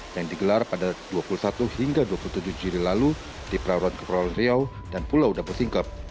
yang digelar pada dua puluh satu hingga dua puluh tujuh juli lalu di perawat kepulauan riau dan pulau dapur singkep